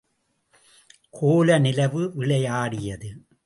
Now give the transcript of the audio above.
கோல நிலவு விளையாடியது.